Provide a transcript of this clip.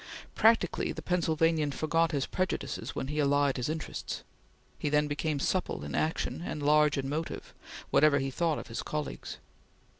Practically the Pennsylvanian forgot his prejudices when he allied his interests. He then became supple in action and large in motive, whatever he thought of his colleagues.